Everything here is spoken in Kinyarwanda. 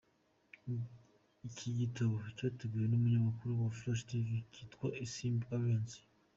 Iki gitaramo cyateguwe n’umunyamakuru wa Flash Tv witwa Isimbi Alliance.